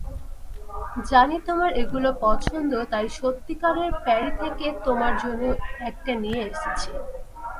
জানি তোমার এগুলো পছন্দ, তাই সত্যিকারের প্যারী থেকে তোমার জন্য একটা নিয়ে এসেছি।